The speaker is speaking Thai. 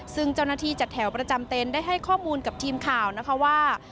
ซึ่งเจ้าหน้าที่จัดแถวประจำเต็นต์ได้ให้ข้อมูลกับทีมข่าวนะคะว่า